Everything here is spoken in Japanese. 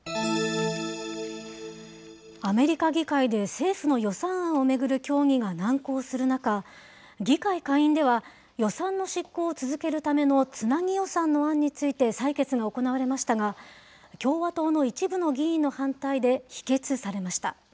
アメリカ議会で政府の予算案を巡る協議が難航する中、議会下院では予算の執行を続けるためのつなぎ予算の案について採決が行われましたが、共和党の一部の議員の反対で否決されました。